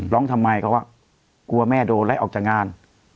ร้องทำไมเขาก็กลัวแม่โดนไล่ออกจากงาน